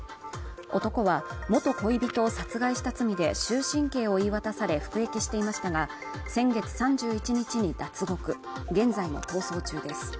男は元恋人を殺害した罪で終身刑を言い渡され服役していましたが先月３１日に脱獄現在も逃走中です